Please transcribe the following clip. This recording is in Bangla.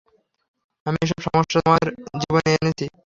আমি এসব সমস্যা তোমার জীবনে এনেছি।